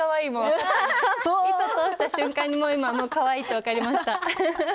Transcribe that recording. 糸通した瞬間にもう今かわいいって分かりました。